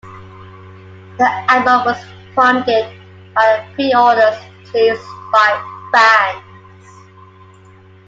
The album was funded by the pre-orders placed by fans.